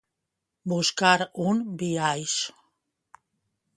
Buscar un biaix.